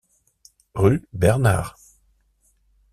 Rue Bernard.